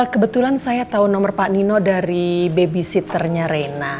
kebetulan saya tahu nomor pak nino dari babysitternya reina